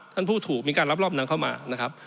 ท่านผู้ถูกมีการรับรอบนำเข้ามานะครับ